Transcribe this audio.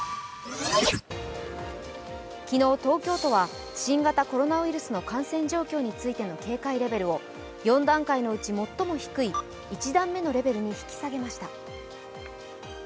昨日、東京都は新型コロナウイルスについての警戒レベルを４段階のうち最も低い１段目のレベルに引き下げました。